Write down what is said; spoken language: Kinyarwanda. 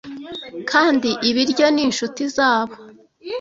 kandi ibiryo ni inshuti zabo